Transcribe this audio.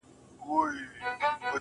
ز ماپر حا ل باندي ژړا مه كوه.